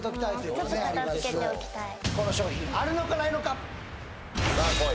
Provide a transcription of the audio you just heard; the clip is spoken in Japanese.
この商品あるのかないのかさあこい